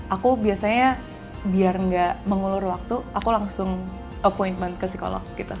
aku biasanya biar nggak mengulur waktu aku langsung appointment ke psikolog gitu